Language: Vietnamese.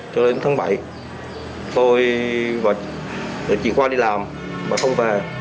cho đến tháng bảy tôi và chị khoa đi làm mà không về